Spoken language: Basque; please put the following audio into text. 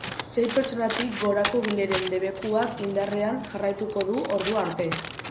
Sei pertsonatik gorako bileren debekuak indarrean jarraituko du ordura arte.